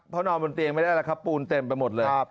เพราะนอนบนเตียงไม่ได้แล้วครับปูนเต็มไปหมดเลย